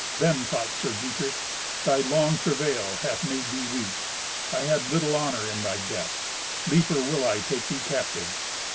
Then thought Sir Dietrich, "Thy long travail hath made thee weak. I had little honour in thy death. Liefer will I take thee captive."